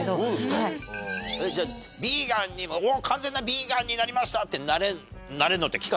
じゃあビーガンに完全なビーガンになりましたってなれるのって期間